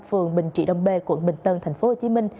phường bình trị đông bê quận bình tân tp hcm